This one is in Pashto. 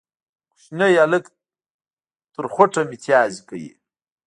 کوچنی هلک تر خوټه ميتيازې کوي